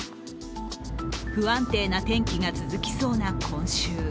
不安定な天気が続きそうな今週。